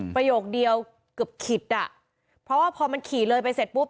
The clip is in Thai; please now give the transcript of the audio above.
ประโยคเดียวเกือบขิดอ่ะเพราะว่าพอมันขี่เลยไปเสร็จปุ๊บ